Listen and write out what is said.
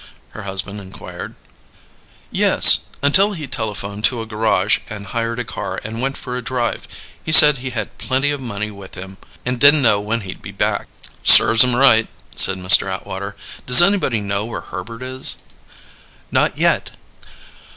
her husband inquired. "Yes until he telephoned to a garage and hired a car and went for a drive. He said he had plenty of money with him and didn't know when he'd be back." "Serves him right," said Mr. Atwater. "Does anybody know where Herbert is?" "Not yet!"